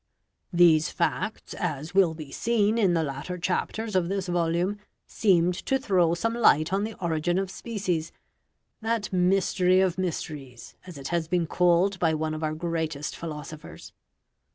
These facts, as will be seen in the latter chapters of this volume, seemed to throw some light on the origin of species that mystery of mysteries, as it has been called by one of our greatest philosophers.